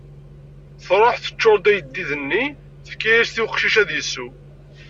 Tṛuḥ, teččuṛ-d ayeddid-nni, tefka-as i uqcic ad isew.